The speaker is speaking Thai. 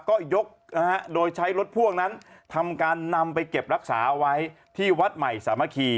ก็ยกนะฮะโดยใช้รถพ่วงนั้นทำการนำไปเก็บรักษาเอาไว้ที่วัดใหม่สามัคคี